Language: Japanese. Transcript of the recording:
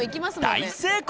大成功！